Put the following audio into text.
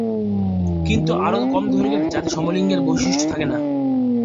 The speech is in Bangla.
কিন্তু আরও কম দৈর্ঘ্যের, যাতে সমলিঙ্গের বৈশিষ্ট্য না থাকে।